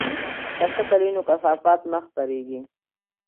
که سطل وي نو کثافات نه خپریږي.